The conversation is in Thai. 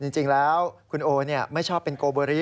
จริงแล้วคุณโอไม่ชอบเป็นโกเบอริ